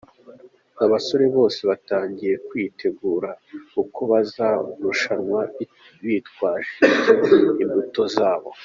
abasore bose batangira kwitegura uko bazarushanwa bitwaje ibyo imbuto zabo.